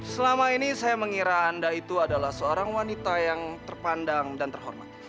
selama ini saya mengira anda itu adalah seorang wanita yang terpandang dan terhormat